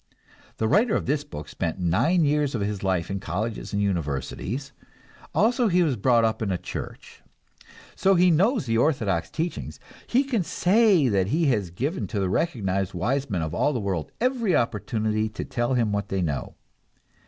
The writer of this book spent nine years of his life in colleges and universities; also he was brought up in a church. So he knows the orthodox teachings, he can say that he has given to the recognized wise men of the world every opportunity to tell him what they know.